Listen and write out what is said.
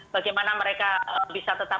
bagaimana mereka bisa tetap